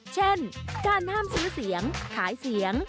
เช่นการห้ามซื้อเสียงขายเสียง